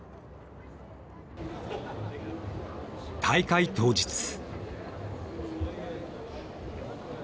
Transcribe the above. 大会当日。